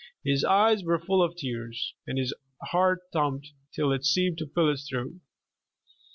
His eyes were full of tears, and his heart thumped till it seemed to fill his throat.